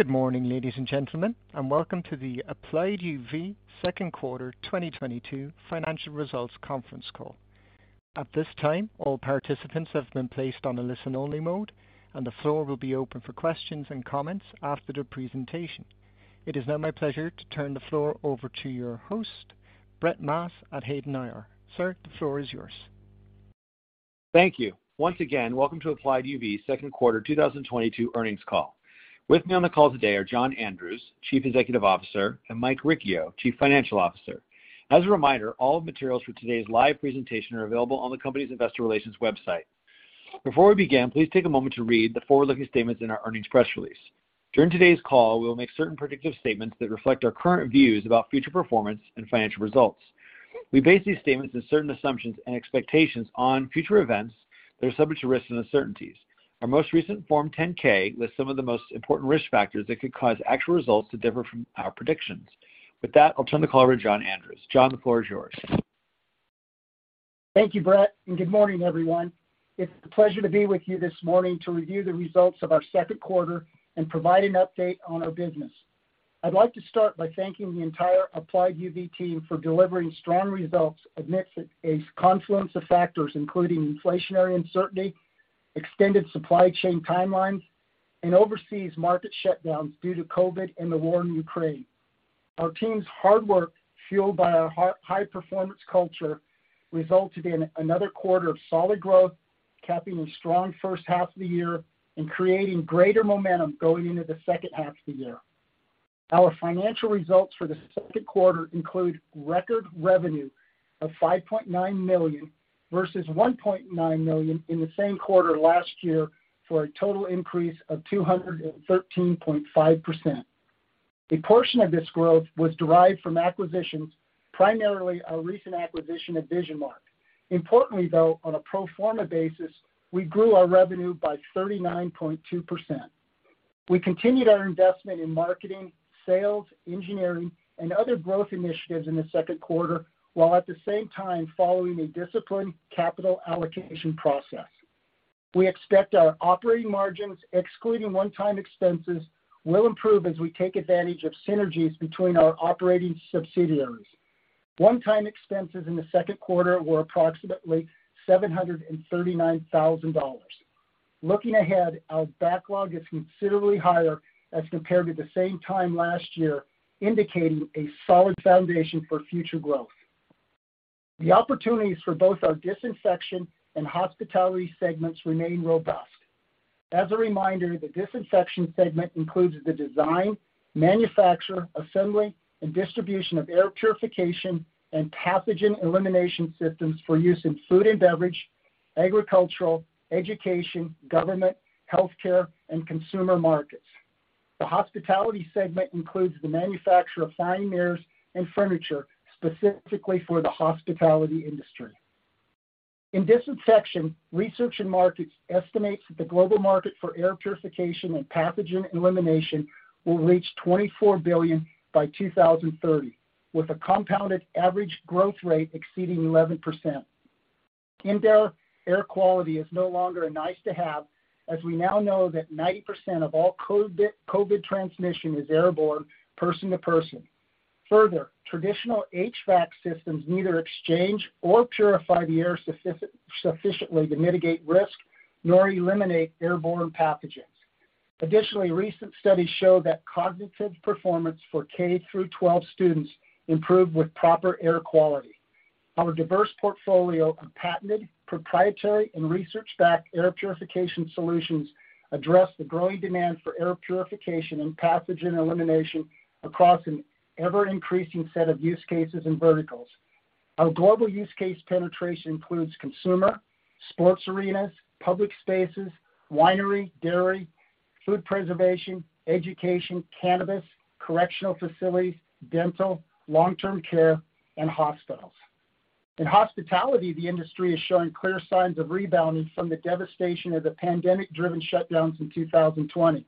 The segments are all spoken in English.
Good morning, ladies and gentlemen, and welcome to the Applied UV Q2 2022 financial results conference call. At this time, all participants have been placed on a listen-only mode, and the floor will be open for questions and comments after the presentation. It is now my pleasure to turn the floor over to your host, Brett Maas at Hayden IR. Sir, the floor is yours. Thank you. Once again, welcome to Applied UV Q2 2022 earnings call. With me on the call today are John Andrews, Chief Executive Officer, and Mike Riccio, Chief Financial Officer. As a reminder, all materials for today's live presentation are available on the company's investor relations website. Before we begin, please take a moment to read the forward-looking statements in our earnings press release. During today's call, we will make certain predictive statements that reflect our current views about future performance and financial results. We base these statements on certain assumptions and expectations on future events that are subject to risks and uncertainties. Our most recent Form 10-K lists some of the most important risk factors that could cause actual results to differ from our predictions. With that, I'll turn the call over to John Andrews. John, the floor is yours. Thank you, Brett, and good morning, everyone. It's a pleasure to be with you this morning to review the results of our Q2 and provide an update on our business. I'd like to start by thanking the entire Applied UV team for delivering strong results amidst a confluence of factors, including inflationary uncertainty, extended supply chain timelines, and overseas market shutdowns due to COVID and the war in Ukraine. Our team's hard work, fueled by our high performance culture, resulted in another quarter of solid growth, capping a strong first half of the year and creating greater momentum going into the second half of the year. Our financial results for the Q2 include record revenue of $5.9 million versus $1.9 million in the same quarter last year, for a total increase of 213.5%. A portion of this growth was derived from acquisitions, primarily our recent acquisition of VisionMark. Importantly, though, on a pro forma basis, we grew our revenue by 39.2%. We continued our investment in marketing, sales, engineering, and other growth initiatives in the Q2, while at the same time following a disciplined capital allocation process. We expect our operating margins, excluding one-time expenses, will improve as we take advantage of synergies between our operating subsidiaries. One-time expenses in the Q2 were approximately $739,000. Looking ahead, our backlog is considerably higher as compared to the same time last year, indicating a solid foundation for future growth. The opportunities for both our disinfection and hospitality segments remain robust. As a reminder, the disinfection segment includes the design, manufacture, assembly, and distribution of air purification and pathogen elimination systems for use in food and beverage, agricultural, education, government, healthcare, and consumer markets. The hospitality segment includes the manufacture of fine mirrors and furniture specifically for the hospitality industry. In disinfection, research and markets estimates that the global market for air purification and pathogen elimination will reach $24 billion by 2030, with a compound average growth rate exceeding 11%. Indoor air quality is no longer a nice-to-have, as we now know that 90% of all COVID transmission is airborne, person to person. Further, traditional HVAC systems neither exchange nor purify the air sufficiently to mitigate risk nor eliminate airborne pathogens. Additionally, recent studies show that cognitive performance for K through 12 students improved with proper air quality. Our diverse portfolio of patented, proprietary, and research-backed air purification solutions address the growing demand for air purification and pathogen elimination across an ever-increasing set of use cases and verticals. Our global use case penetration includes consumer, sports arenas, public spaces, winery, dairy, food preservation, education, cannabis, correctional facilities, dental, long-term care, and hospitals. In hospitality, the industry is showing clear signs of rebounding from the devastation of the pandemic-driven shutdowns in 2020.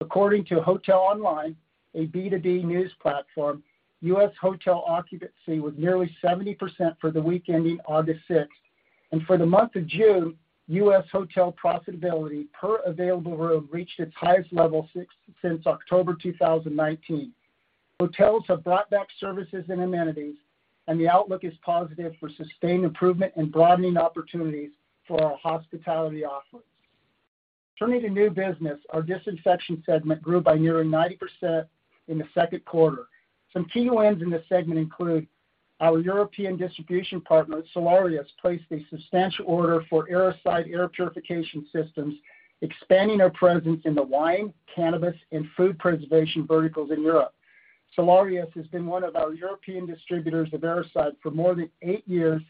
According to Hotel Online, a B2B news platform, U.S. hotel occupancy was nearly 70% for the week ending August 6. For the month of June, U.S. hotel profitability per available room reached its highest level since October 2019. Hotels have brought back services and amenities, and the outlook is positive for sustained improvement and broadening opportunities for our hospitality offerings. Turning to new business, our disinfection segment grew by nearly 90% in the Q2. Some key wins in this segment include our European distribution partner, Solarius, placed a substantial order for Airocide air purification systems, expanding our presence in the wine, cannabis, and food preservation verticals in Europe. Solarius has been one of our European distributors of Airocide for more than eight years,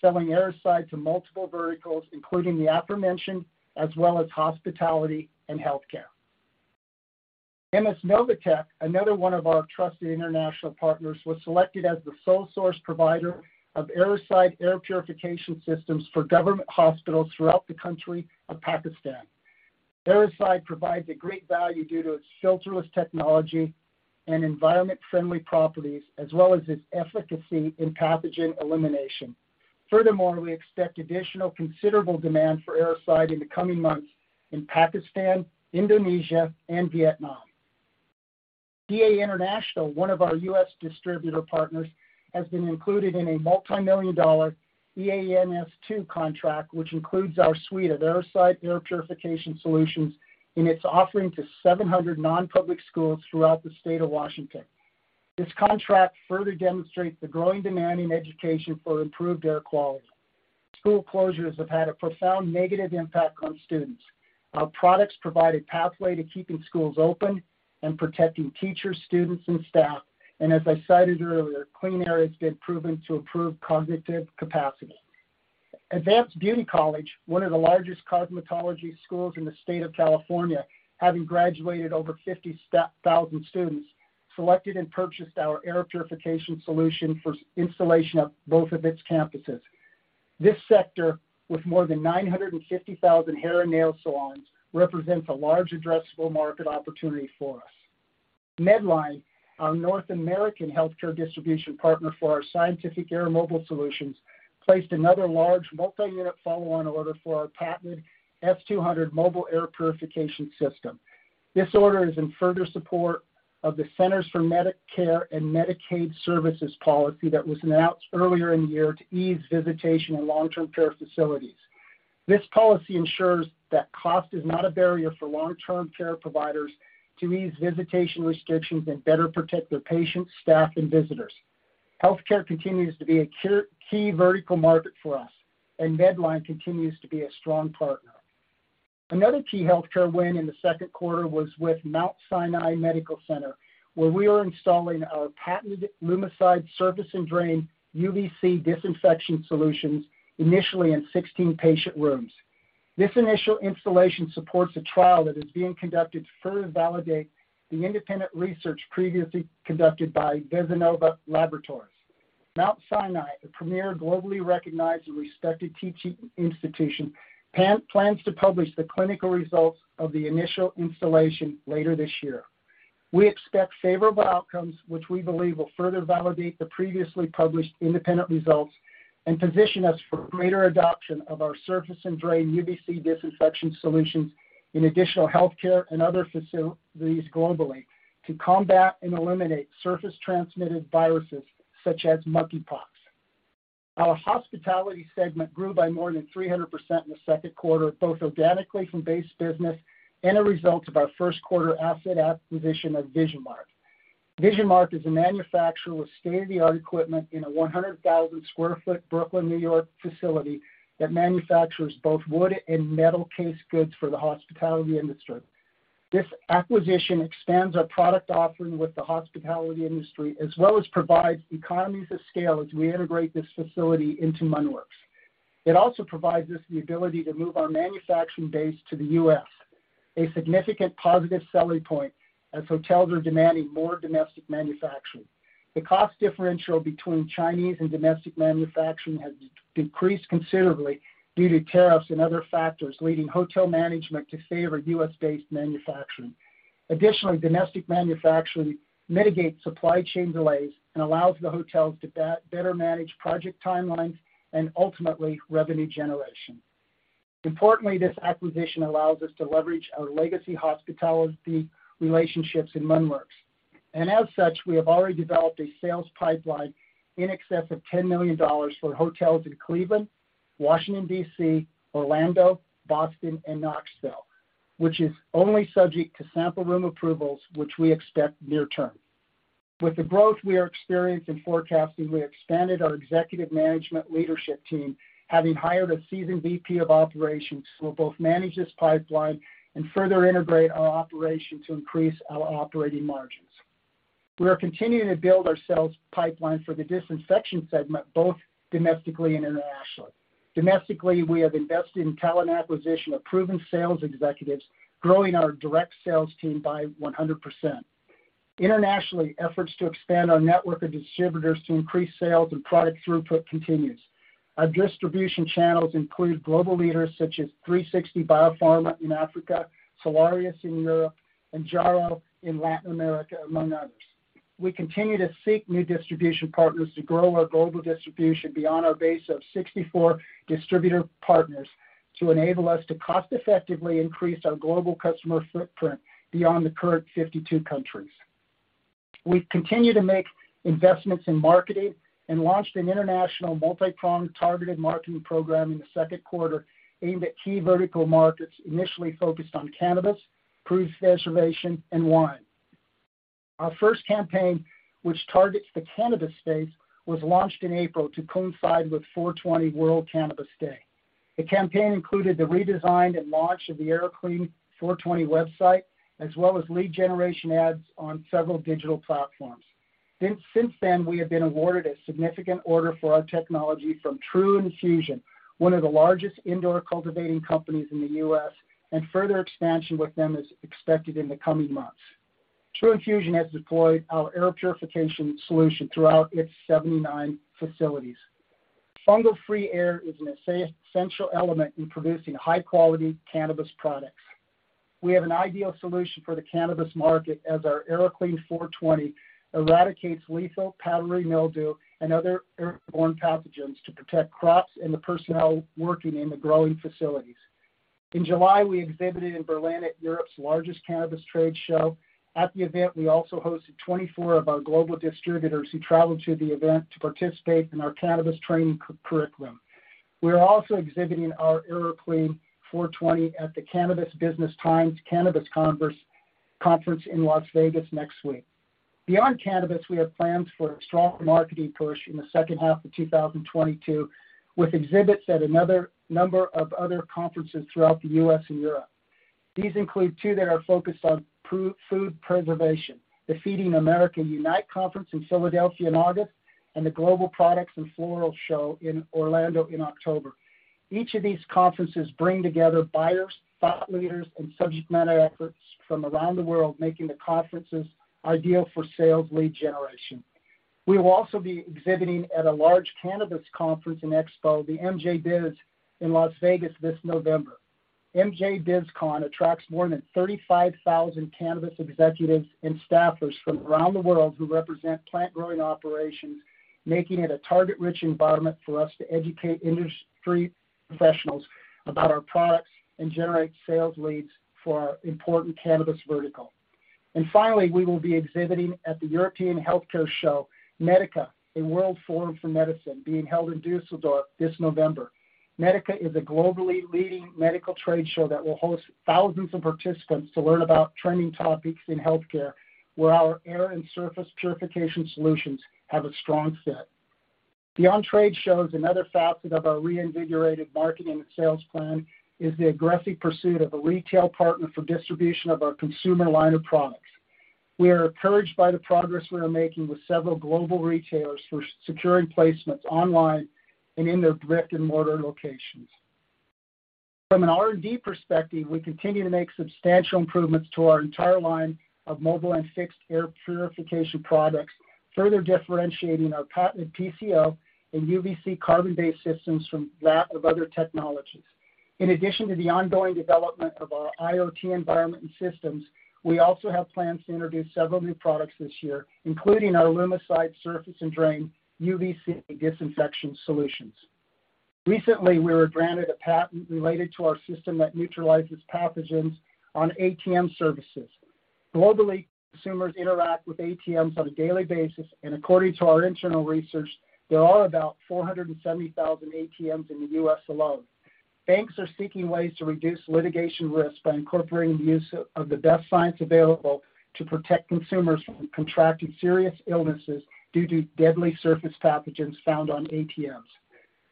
selling Airocide to multiple verticals, including the aforementioned, as well as hospitality and healthcare. M/S Novatek, another one of our trusted international partners, was selected as the sole source provider of Airocide air purification systems for government hospitals throughout the country of Pakistan. Airocide provides a great value due to its filterless technology and environmentally friendly properties as well as its efficacy in pathogen elimination. Furthermore, we expect additional considerable demand for Airocide in the coming months in Pakistan, Indonesia and Vietnam. EA International, one of our U.S. distributor partners, has been included in a multimillion-dollar EANS II contract, which includes our suite of Airocide air purification solutions in its offering to 700 non-public schools throughout the state of Washington. This contract further demonstrates the growing demand in education for improved air quality. School closures have had a profound negative impact on students. Our products provide a pathway to keeping schools open and protecting teachers, students, and staff. As I cited earlier, clean air has been proven to improve cognitive capacity. Advanced Beauty College, one of the largest cosmetology schools in the state of California, having graduated over 50,000 students, selected and purchased our air purification solution for installation of both of its campuses. This sector, with more than 950,000 hair and nail salons, represents a large addressable market opportunity for us. Medline, our North American healthcare distribution partner for our Scientific Air mobile solutions, placed another large multi-unit follow-on order for our patented F200 mobile air purification system. This order is in further support of the Centers for Medicare and Medicaid Services policy that was announced earlier in the year to ease visitation in long-term care facilities. This policy ensures that cost is not a barrier for long-term care providers to ease visitation restrictions and better protect their patients, staff, and visitors. Healthcare continues to be a key vertical market for us, and Medline continues to be a strong partner. Another key healthcare win in the Q2 was with Mount Sinai Medical Center, where we are installing our patented Lumicide surface and drain UVC disinfection solutions initially in 16 patient rooms. This initial installation supports a trial that is being conducted to further validate the independent research previously conducted by VyvNova Laboratories. Mount Sinai, a premier, globally recognized, and respected teaching institution, plans to publish the clinical results of the initial installation later this year. We expect favorable outcomes, which we believe will further validate the previously published independent results and position us for greater adoption of our surface and drain UVC disinfection solutions in additional healthcare and other facilities globally to combat and eliminate surface-transmitted viruses such as monkeypox. Our hospitality segment grew by more than 300% in the Q2, both organically from base business and a result of our first quarter asset acquisition of VisionMark. VisionMark is a manufacturer with state-of-the-art equipment in a 100,000 sq ft Brooklyn, New York facility that manufactures both wood and metal case goods for the hospitality industry. This acquisition expands our product offering with the hospitality industry as well as provides economies of scale as we integrate this facility into Munn Works. It also provides us the ability to move our manufacturing base to the U.S., a significant positive selling point as hotels are demanding more domestic manufacturing. The cost differential between Chinese and domestic manufacturing has decreased considerably due to tariffs and other factors, leading hotel management to favor U.S.-based manufacturing. Additionally, domestic manufacturing mitigates supply chain delays and allows the hotels to better manage project timelines and ultimately revenue generation. Importantly, this acquisition allows us to leverage our legacy hospitality relationships in Munn Works. As such, we have already developed a sales pipeline in excess of $10 million for hotels in Cleveland, Washington, D.C., Orlando, Boston, and Knoxville, which is only subject to sample room approvals, which we expect near term. With the growth we are experiencing forecasting, we expanded our executive management leadership team, having hired a seasoned VP of operations who will both manage this pipeline and further integrate our operation to increase our operating margins. We are continuing to build our sales pipeline for the disinfection segment, both domestically and internationally. Domestically, we have invested in talent acquisition of proven sales executives, growing our direct sales team by 100%. Internationally, efforts to expand our network of distributors to increase sales and product throughput continues. Our distribution channels include global leaders such as 360 Biopharma in Africa, Solarius in Europe, and Jaro in Latin America, among others. We continue to seek new distribution partners to grow our global distribution beyond our base of 64 distributor partners to enable us to cost effectively increase our global customer footprint beyond the current 52 countries. We've continued to make investments in marketing and launched an international multipronged targeted marketing program in the Q2 aimed at key vertical markets initially focused on cannabis, food preservation, and wine. Our first campaign, which targets the cannabis space, was launched in April to coincide with 420 Day. The campaign included the redesign and launch of the Airoclean 420 website, as well as lead generation ads on several digital platforms. Since then, we have been awarded a significant order for our technology from Tru Infusion, one of the largest indoor cultivating companies in the U.S., and further expansion with them is expected in the coming months. Tru Infusion has deployed our air purification solution throughout its 79 facilities. Fungal-free air is an essential element in producing high-quality cannabis products. We have an ideal solution for the cannabis market as our Airocide 420 eradicates lethal powdery mildew and other airborne pathogens to protect crops and the personnel working in the growing facilities. In July, we exhibited in Berlin at Europe's largest cannabis trade show. At the event, we also hosted 24 of our global distributors who traveled to the event to participate in our cannabis training curriculum. We are also exhibiting our Airocide 420 at the Cannabis Business Times Cannabis Conference in Las Vegas next week. Beyond cannabis, we have plans for a strong marketing push in the second half of 2022, with exhibits at a number of other conferences throughout the U.S. and Europe. These include two that are focused on perishable food preservation, the Feeding America Unite Conference in Philadelphia in August, and the Global Produce & Floral Show in Orlando in October. Each of these conferences bring together buyers, thought leaders, and subject matter experts from around the world, making the conferences ideal for sales lead generation. We will also be exhibiting at a large cannabis conference in Expo, the MJBiz in Las Vegas this November. MJBizCon attracts more than 35,000 cannabis executives and staffers from around the world who represent plant growing operations, making it a target-rich environment for us to educate industry professionals about our products and generate sales leads for our important cannabis vertical. Finally, we will be exhibiting at the European Healthcare Show, MEDICA, a world forum for medicine being held in Düsseldorf this November. MEDICA is a globally leading medical trade show that will host thousands of participants to learn about trending topics in healthcare, where our air and surface purification solutions have a strong fit. Beyond trade shows, another facet of our reinvigorated marketing and sales plan is the aggressive pursuit of a retail partner for distribution of our consumer line of products. We are encouraged by the progress we are making with several global retailers for securing placements online and in their brick-and-mortar locations. From an R&D perspective, we continue to make substantial improvements to our entire line of mobile and fixed air purification products, further differentiating our patented PCO and UVC carbon-based systems from that of other technologies. In addition to the ongoing development of our IoT environment and systems, we also have plans to introduce several new products this year, including our Lumicide Surface and Drain UVC disinfection solutions. Recently, we were granted a patent related to our system that neutralizes pathogens on ATM surfaces. Globally, consumers interact with ATMs on a daily basis, and according to our internal research, there are about 470,000 ATMs in the U.S. alone. Banks are seeking ways to reduce litigation risk by incorporating the use of the best science available to protect consumers from contracting serious illnesses due to deadly surface pathogens found on ATMs.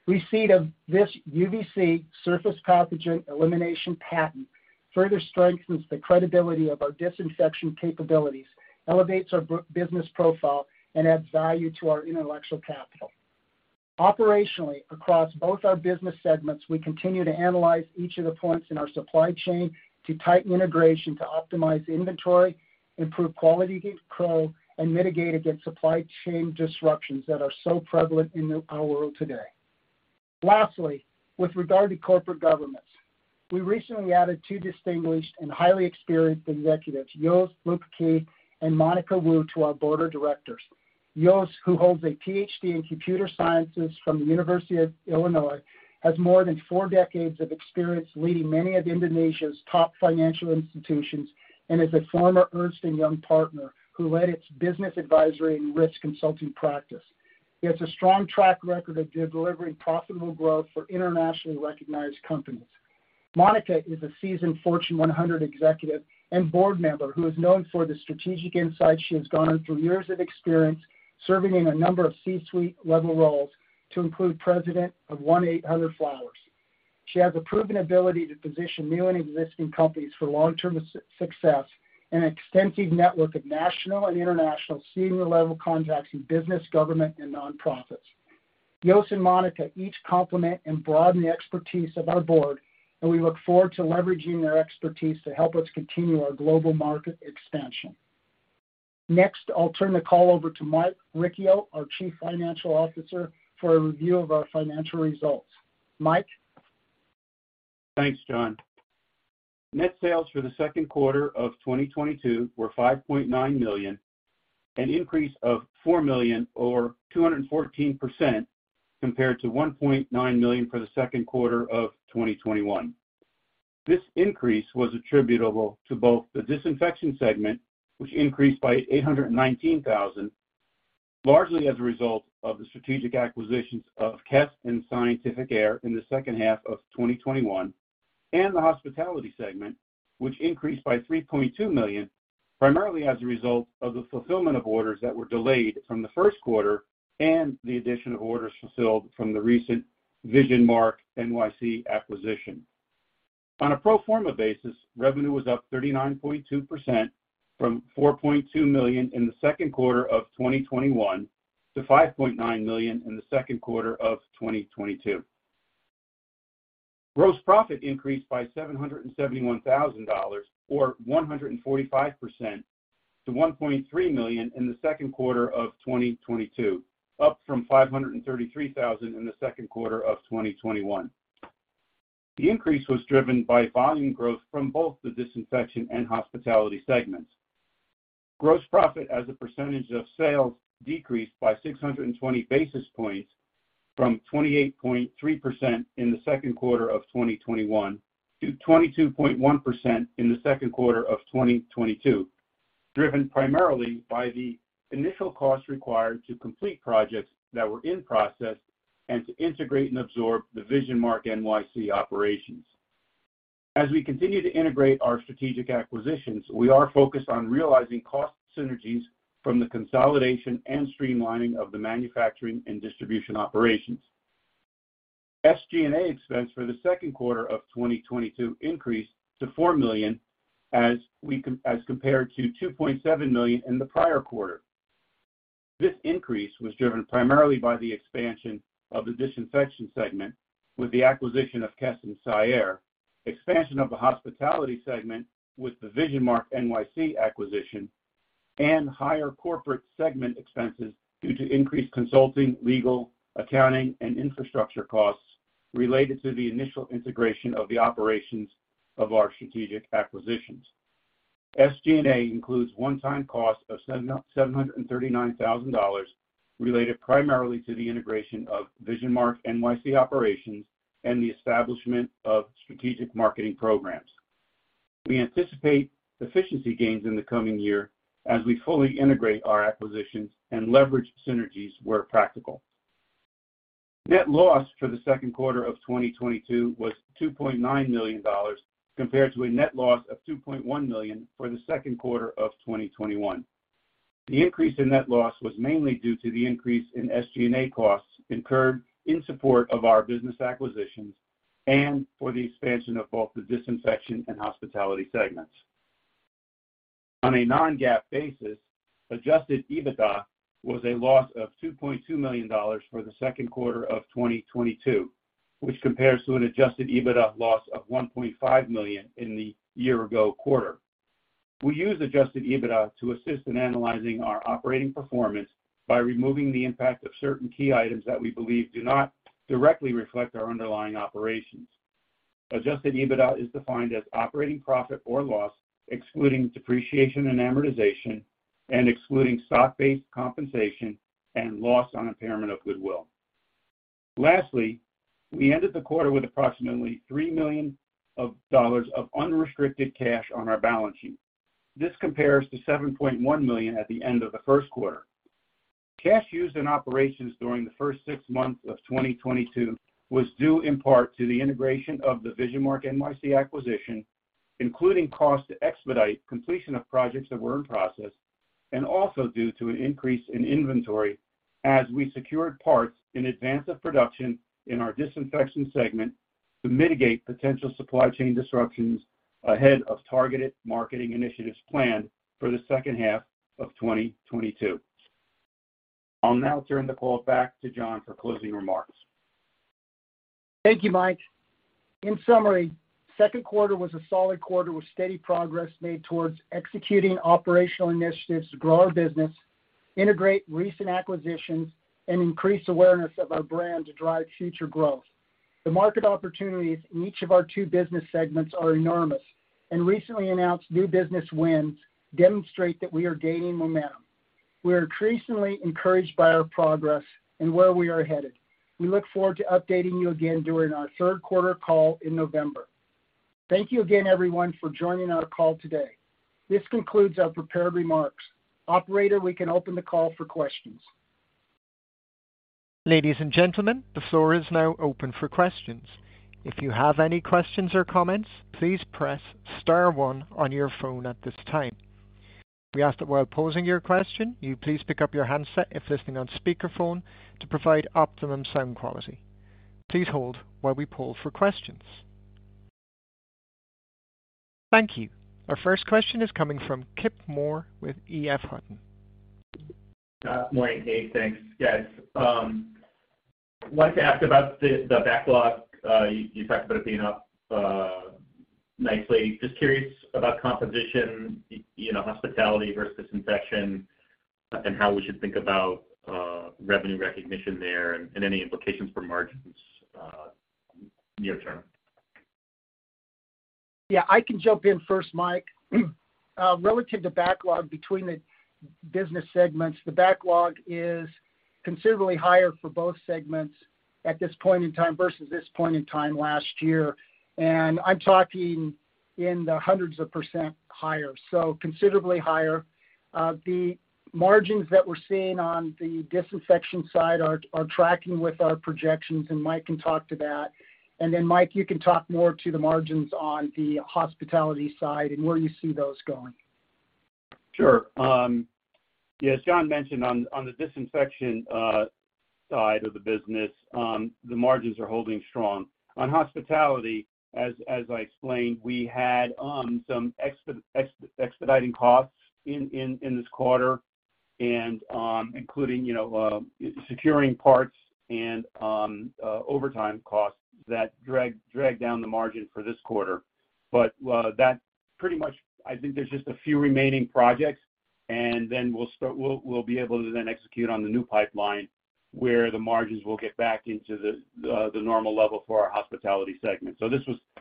Receipt of this UVC surface pathogen elimination patent further strengthens the credibility of our disinfection capabilities, elevates our business profile, and adds value to our intellectual capital. Operationally, across both our business segments, we continue to analyze each of the points in our supply chain to tighten integration to optimize inventory, improve quality control, and mitigate against supply chain disruptions that are so prevalent in our world today. Lastly, with regard to corporate governance, we recently added two distinguished and highly experienced executives, Jos Luhukay and Monica Woo, to our board of directors. Jos, who holds a PhD in computer sciences from the University of Illinois, has more than four decades of experience leading many of Indonesia's top financial institutions and is a former Ernst & Young partner who led its business advisory and risk consulting practice. He has a strong track record of delivering profitable growth for internationally recognized companies. Monica is a seasoned Fortune 100 executive and board member who is known for the strategic insight she has garnered through years of experience serving in a number of C-suite level roles to include President of 1-800-FLOWERS. She has a proven ability to position new and existing companies for long-term success and an extensive network of national and international senior level contacts in business, government, and nonprofits. Jos and Monica each complement and broaden the expertise of our board, and we look forward to leveraging their expertise to help us continue our global market expansion. Next, I'll turn the call over to Mike Riccio, our Chief Financial Officer, for a review of our financial results. Mike? Thanks, John. Net sales for the Q2 of 2022 were $5.9 million, an increase of $4 million or 214% compared to $1.9 million for the Q2 of 2021. This increase was attributable to both the disinfection segment, which increased by $819,000, largely as a result of the strategic acquisitions of KES Science & Technology and Scientific Air Management in the second half of 2021, and the hospitality segment, which increased by $3.2 million, primarily as a result of the fulfillment of orders that were delayed from the Q1 and the addition of orders fulfilled from the recent VisionMark acquisition. On a pro forma basis, revenue was up 39.2% from $4.2 million in the Q2 of 2021 to $5.9 million in the Q2 of 2022. Gross profit increased by $771,000 or 145% to $1.3 million in the Q2 of 2022, up from $533,000 in the Q2 of 2021. The increase was driven by volume growth from both the disinfection and hospitality segments. Gross profit as a percentage of sales decreased by 620 basis points from 28.3% in the Q2 of 2021 to 22.1% in the Q2 of 2022, driven primarily by the initial costs required to complete projects that were in process and to integrate and absorb the VisionMark NYC operations. As we continue to integrate our strategic acquisitions, we are focused on realizing cost synergies from the consolidation and streamlining of the manufacturing and distribution operations. SG&A expense for the Q2 of 2022 increased to $4 million as compared to $2.7 million in the prior quarter. This increase was driven primarily by the expansion of the disinfection segment with the acquisition of KES Science & Technology, expansion of the hospitality segment with the VisionMark acquisition, and higher corporate segment expenses due to increased consulting, legal, accounting, and infrastructure costs related to the initial integration of the operations of our strategic acquisitions. SG&A includes one-time cost of $739,000 related primarily to the integration of VisionMark operations and the establishment of strategic marketing programs. We anticipate efficiency gains in the coming year as we fully integrate our acquisitions and leverage synergies where practical. Net loss for the Q2 of 2022 was $2.9 million compared to a net loss of $2.1 million for the Q2 of 2021. The increase in net loss was mainly due to the increase in SG&A costs incurred in support of our business acquisitions and for the expansion of both the disinfection and hospitality segments. On a non-GAAP basis, adjusted EBITDA was a loss of $2.2 million for the Q2 of 2022, which compares to an adjusted EBITDA loss of $1.5 million in the year-ago quarter. We use adjusted EBITDA to assist in analyzing our operating performance by removing the impact of certain key items that we believe do not directly reflect our underlying operations. Adjusted EBITDA is defined as operating profit or loss, excluding depreciation and amortization, and excluding stock-based compensation and loss on impairment of goodwill. Lastly, we ended the quarter with approximately $3 million of unrestricted cash on our balance sheet. This compares to $7.1 million at the end of the Q1. Cash used in operations during the first six months of 2022 was due in part to the integration of the VisionMark acquisition, including cost to expedite completion of projects that were in process and also due to an increase in inventory as we secured parts in advance of production in our disinfection segment to mitigate potential supply chain disruptions ahead of targeted marketing initiatives planned for the second half of 2022. I'll now turn the call back to John for closing remarks. Thank you, Mike. In summary, Q2 was a solid quarter with steady progress made towards executing operational initiatives to grow our business, integrate recent acquisitions, and increase awareness of our brand to drive future growth. The market opportunities in each of our two business segments are enormous, and recently announced new business wins demonstrate that we are gaining momentum. We are increasingly encouraged by our progress and where we are headed. We look forward to updating you again during our third quarter call in November. Thank you again, everyone, for joining our call today. This concludes our prepared remarks. Operator, we can open the call for questions. Ladies and gentlemen, the floor is now open for questions. If you have any questions or comments, please press star one on your phone at this time. We ask that while posing your question, you please pick up your handset if listening on speakerphone to provide optimum sound quality. Please hold while we poll for questions. Thank you. Our first question is coming from Tim Moore with EF Hutton. Morning. Hey, thanks, guys. Wanted to ask about the backlog. You talked about it being up nicely. Just curious about composition, you know, hospitality versus infection, and how we should think about revenue recognition there and any implications for margins near-term. Yeah, I can jump in first, Mike. Relative to backlog between the business segments, the backlog is considerably higher for both segments at this point in time versus this point in time last year. I'm talking in the hundreds of percent higher, so considerably higher. The margins that we're seeing on the disinfection side are tracking with our projections, and Mike can talk to that. Mike, you can talk more to the margins on the hospitality side and where you see those going. Sure. Yeah, as John mentioned on the disinfection side of the business, the margins are holding strong. On hospitality, as I explained, we had some expediting costs in this quarter, including, you know, securing parts and overtime costs that drag down the margin for this quarter. That pretty much, I think there's just a few remaining projects, and then we'll be able to execute on the new pipeline where the margins will get back into the normal level for our hospitality segment.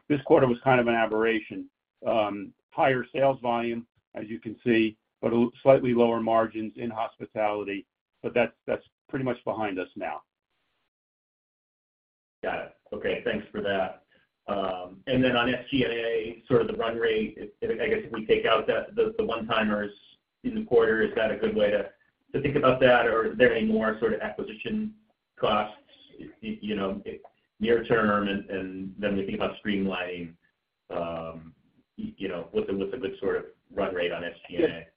This quarter was kind of an aberration. Higher sales volume, as you can see, but slightly lower margins in hospitality. That's pretty much behind us now. Got it. Okay, thanks for that. On SG&A, sort of the run rate, I guess if we take out the one-timers in the quarter, is that a good way to think about that? Or is there any more sort of acquisition costs, you know, near term, and then we think about streamlining, you know, what's a good sort of run rate on SG&A?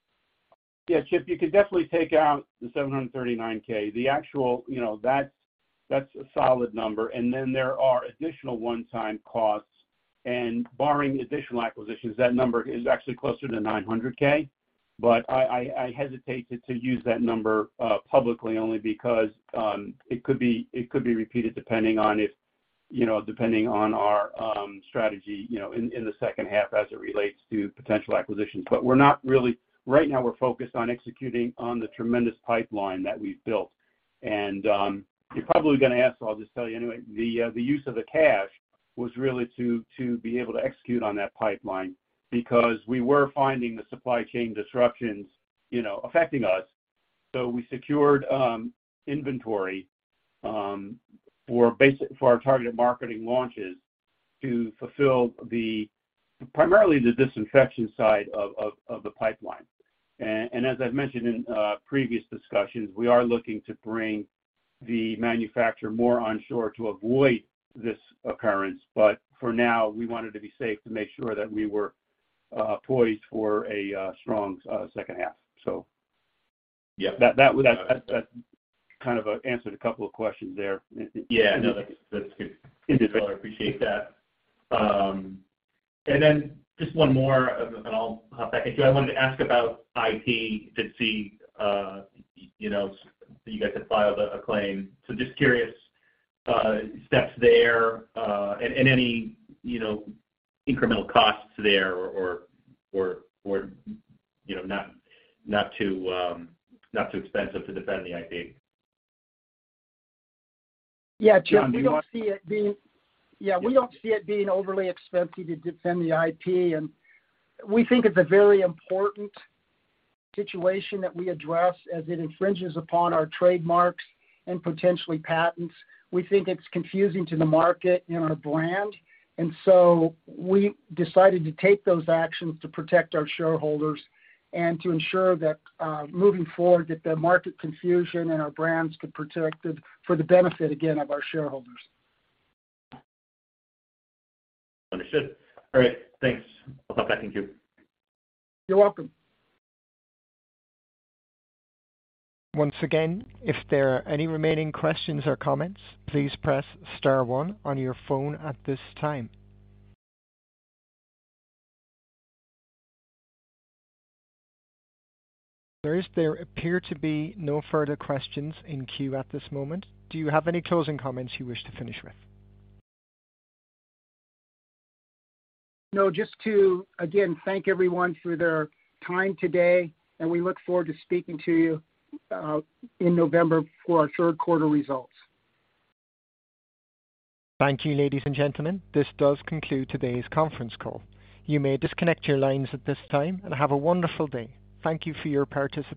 Yeah, Tim, you can definitely take out the $739K. The actual, you know, that's a solid number. Then there are additional one-time costs. Barring additional acquisitions, that number is actually closer to $900K. I hesitate to use that number publicly only because it could be repeated depending on if, you know, depending on our strategy, you know, in the second half as it relates to potential acquisitions. Right now we're focused on executing on the tremendous pipeline that we've built. You're probably gonna ask, so I'll just tell you anyway. The use of the cash was really to be able to execute on that pipeline because we were finding the supply chain disruptions, you know, affecting us. We secured inventory for our targeted marketing launches to fulfill primarily the disinfection side of the pipeline. As I've mentioned in previous discussions, we are looking to bring the manufacturer more onshore to avoid this occurrence. For now, we wanted to be safe to make sure that we were poised for a strong second half, so. Yeah. That was. That kind of answered a couple of questions there. Yeah. No, that's good. I appreciate that. Then just one more and then I'll hop back into. I wanted to ask about IP, GoodSeed, you guys have filed a claim. Just curious, steps there, and any incremental costs there or you know, not too expensive to defend the IP. Yeah, Tim, we don't see it being overly expensive to defend the IP. We think it's a very important situation that we address as it infringes upon our trademarks and potentially patents. We think it's confusing to the market and our brand. We decided to take those actions to protect our shareholders and to ensure that, moving forward, that the market confusion and our brands get protected for the benefit, again, of our shareholders. Understood. All right. Thanks. I'll hop back in queue. You're welcome. Once again, if there are any remaining questions or comments, please press star one on your phone at this time. Sir, there appear to be no further questions in queue at this moment. Do you have any closing comments you wish to finish with? No, just to, again, thank everyone for their time today, and we look forward to speaking to you in November for our Q3 results. Thank you, ladies and gentlemen. This does conclude today's conference call. You may disconnect your lines at this time, and have a wonderful day. Thank you for your participation.